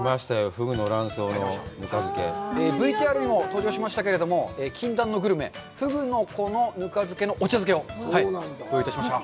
ふぐの卵巣のぬか漬けＶＴＲにも登場しましたけれども禁断のグルメ「ふぐの子のぬか漬け」のお茶漬けをご用意致しました